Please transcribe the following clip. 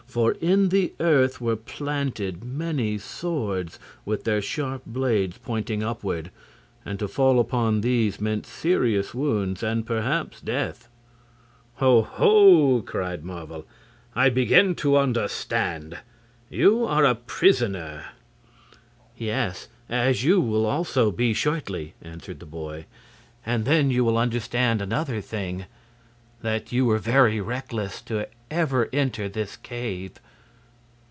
For in the earth were planted many swords, with their sharp blades pointing upward, and to fall upon these meant serious wounds and perhaps death. "Oh, ho!" cried Marvel; "I begin to understand. You are a prisoner." "Yes; as you will also be shortly," answered the boy. "And then you will understand another thing that you were very reckless ever to enter this cave."